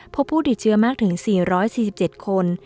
พบผู้ติดเชื้อมากถึง๔๔๗คน